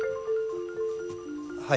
はい。